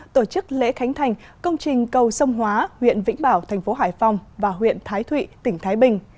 tổ chức lễ khánh thành công trình cầu sông hóa huyện vĩnh bảo thành phố hải phòng và huyện thái thụy tỉnh thái bình